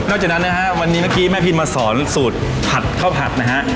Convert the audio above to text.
แล้วจากนั้นนะครับไม่นี่เมื่อกี้ไหมพีลมาสอนสูตรผัดข้าวผัดนะฮะ